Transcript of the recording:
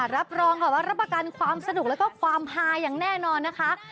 รับรองว่าระปาการความสนุกและความภายอย่างแน่นอนกับ